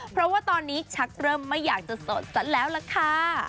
เพราะว่าตอนนี้ชักเริ่มไม่อยากจะโสดซะแล้วล่ะค่ะ